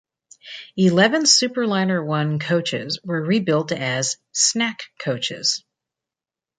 Eleven Superliner I coaches were rebuilt as "snack coaches".